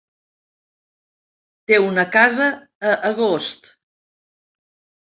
Té una casa a Agost.